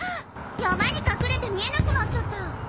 山に隠れて見えなくなっちゃった。